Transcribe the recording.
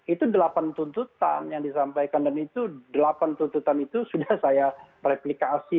itu delapan tuntutan yang disampaikan dan itu delapan tuntutan itu sudah saya replikasi